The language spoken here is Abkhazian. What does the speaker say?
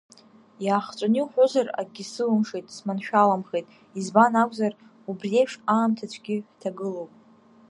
Иаахҵәаны иуҳәозар, акгьы сылымшеит, сманшәаламхеит, избан акузар, убри еиԥш аамҭацәгьы ҳҭагылоуп.